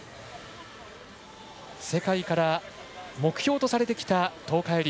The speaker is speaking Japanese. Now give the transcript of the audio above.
世界から目標とされてきた東海林。